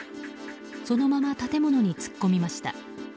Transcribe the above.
そのまま建物に突っ込みました。